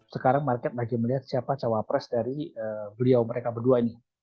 sekarang market lagi melihat siapa cawapres dari beliau mereka berdua ini